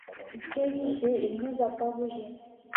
Terrifié, il n'osa pas bouger.